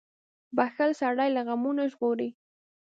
• بښل سړی له غمونو ژغوري.